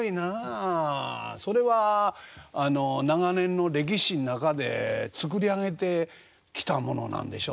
それは長年の歴史の中で作り上げてきたものなんでしょうね。